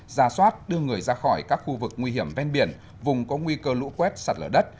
ra soát đưa người ra khỏi các khu vực nguy hiểm ven biển vùng có nguy cơ lũ quét sạt lở đất